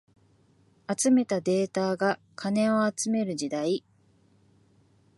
集めたデータが金を集める時代